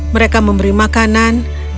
mereka memberi makanan